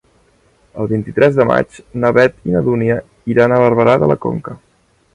El vint-i-tres de maig na Beth i na Dúnia iran a Barberà de la Conca.